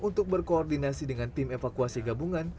untuk berkoordinasi dengan tim evakuasi gabungan